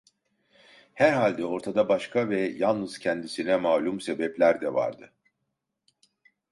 Herhalde ortada başka ve yalnız kendisine malum sebepler de vardı.